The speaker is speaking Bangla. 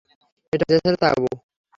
এটা জেসের তাবু।